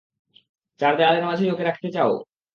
চার দেয়ালের মাঝেই ওকে রাখতে চাও?